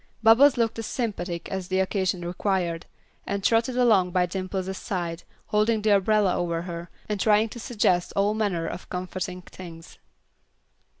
Bubbles looked as sympathetic as the occasion required, and trotted along by Dimple's side, holding the umbrella over her, and trying to suggest all manner of comforting things.